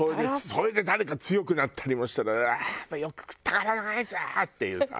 それで誰か強くなったりもしたら「よく食ったからなあいつは！」っていうさ。